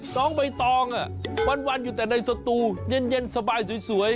น้องใบตองวันอยู่แต่ในสตูเย็นสบายสวย